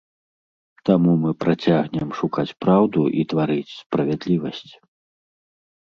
Таму мы працягнем шукаць праўду і тварыць справядлівасць.